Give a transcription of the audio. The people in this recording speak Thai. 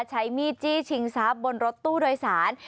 ใช้มีดจี้ชิงทรัพย์บนรถตู้โดยสาร